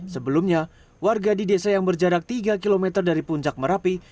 sebelumnya warga di desa yang berjarak tiga km dari puncak merapi